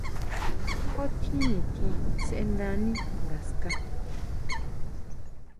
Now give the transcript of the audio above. ¿Ju tjín nitjín sʼendani ngaská?